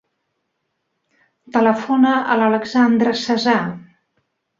Telefona a l'Alexandra Cesar.